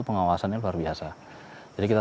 pengawasannya luar biasa jadi kita